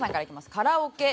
カラオケ。